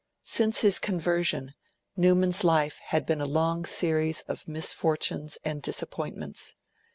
Since his conversion, Newman's life had been a long series of misfortunes and disappointments.